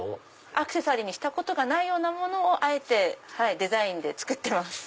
アクセサリーにしたことがないものをあえてデザインで作ってます。